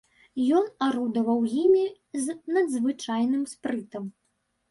Ён арудаваў імі з надзвычайным спрытам.